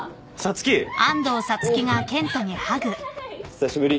久しぶり。